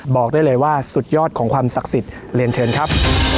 บอกได้เลยว่าสุดยอดของความศักดิ์สิทธิ์เรียนเชิญครับ